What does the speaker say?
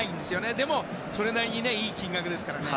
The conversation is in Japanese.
でも、それなりにいい金額ですから。